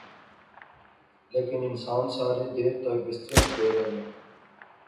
لیکن انسان سارے دیر تک بستریاں اچ پے رہنے